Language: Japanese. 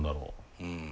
うん。